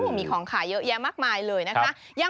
มีของขายเยอะแยะมากมายเลยนะคะ